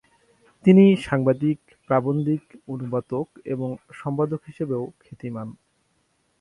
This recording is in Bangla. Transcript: তিনি সাংবাদিক, প্রাবন্ধিক, অনুবাদক এবং সম্পাদক হিসাবেও খ্যাতিমান।